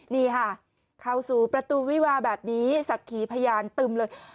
นี่ค่ะเข้าสู่ประตูวิวาแบบนี้ศักดิ์ขีพยานตึมเลย